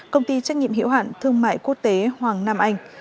công ty trách nhiệm hiệu hạn thương mại quốc tế hoàng nam anh